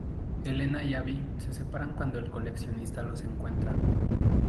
Elena y Abby se separan cuando el coleccionista los encuentra.